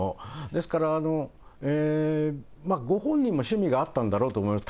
ですから、ご本人も趣味があったんだろうと思います。